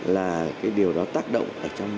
là cái điều đó tác động